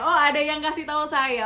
oh ada yang kasih tahu saya